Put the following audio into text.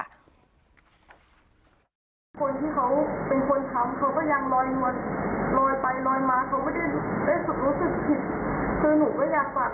คุณผู้หญิงขึ้นมาบอกว่าคุณไม่มีศักดิ์สินของตัวเอง